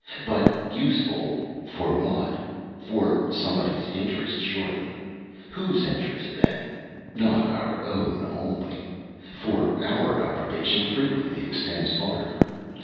But useful! For what? For somebody's interest, surely! Whose interest then? Not our own only; for our approbation frequently extends farther.